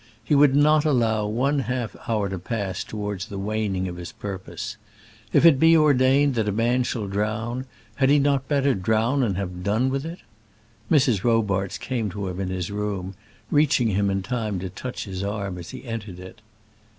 He would not allow one half hour to pass towards the waning of his purpose. If it be ordained that a man shall drown, had he not better drown and have done with it? Mrs. Robarts came to him in his room, reaching him in time to touch his arm as he entered it.